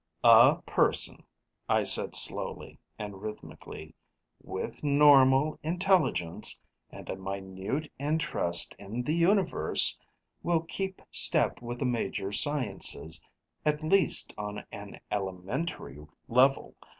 "A person," I said slowly and rhythmically, "with normal intelligence and a minute interest in the universe, will keep step with the major sciences, at least on an elementary level.